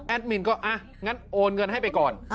มินก็อ่ะงั้นโอนเงินให้ไปก่อน